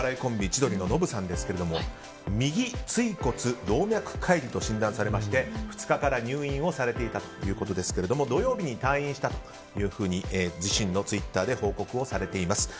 千鳥ノブさんですが右椎骨動脈解離と診断されまして２日から入院をされていたとのことですけども土曜日に退院したと自身のツイッターで報告をされています。